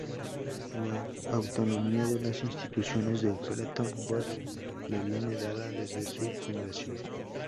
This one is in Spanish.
La autonomía de las instituciones de Bretton Woods le viene dada desde su fundación.